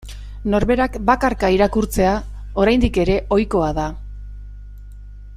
Norberak bakarka irakurtzea oraindik ere ohikoa da.